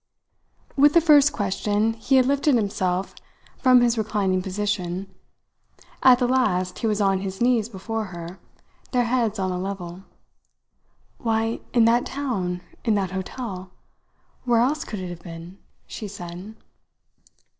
With the first question he had lifted himself from his reclining position; at the last he was on his knees before her, their heads on a level. "Why, in that town, in that hotel. Where else could it have been?" she said.